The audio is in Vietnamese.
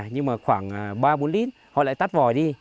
nhưng mà khoảng ba bốn lít họ lại tắt vòi đi